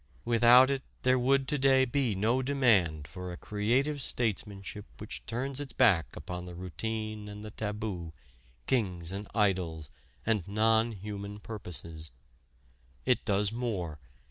Without it there would to day be no demand for a creative statesmanship which turns its back upon the routine and the taboo, kings and idols, and non human purposes. It does more.